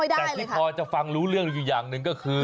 แต่ที่พอจะฟังรู้เรื่องอยู่อย่างหนึ่งก็คือ